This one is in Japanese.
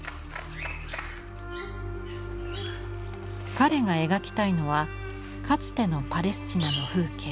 彼が描きたいのはかつてのパレスチナの風景。